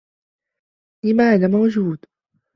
لم أنا موجود؟